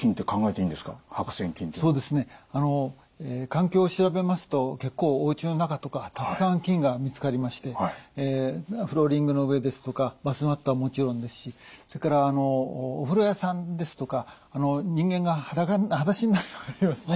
環境を調べますと結構おうちの中とかたくさん菌が見つかりましてフローリングの上ですとかバスマットはもちろんですしそれからお風呂屋さんですとか人間が裸足になる所ありますね。